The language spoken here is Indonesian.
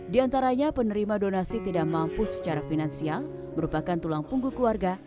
diantaranya penerima donasi tidak mampu secara finansial merupakan tulang punggu keluarga